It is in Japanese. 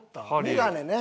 眼鏡ね。